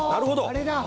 あれだ！